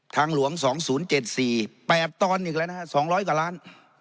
ทางหลวงสองศูนย์เจ็ดสี่แปดตอนอีกแล้วนะฮะสองร้อยกว่าล้าน